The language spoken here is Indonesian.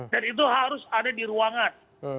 dan itu harus ada di ruangan